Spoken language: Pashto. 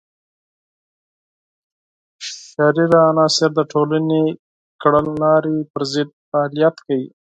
شریر عناصر د ټولنې د کړنلارې پر ضد فعالیت کوي.